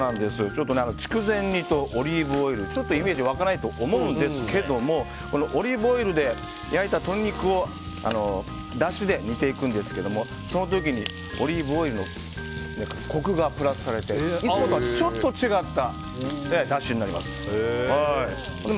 筑前煮とオリーブオイルちょっとイメージ湧かないと思うんですけどもオリーブオイルで焼いた鶏肉をだしで煮ていくんですがその時にオリーブオイルのコクがプラスされていつもとはちょっと違っただしになります。